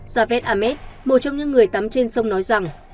javed ahmed một trong những người tắm trên sông nói rằng